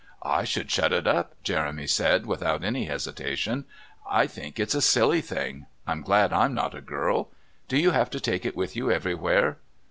"I should shut it up," Jeremy said without any hesitation. "I think it's a silly thing. I'm glad I'm not a girl. Do you have to take it with you everywhere?"